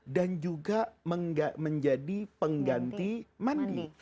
dan juga menjadi pengganti mandi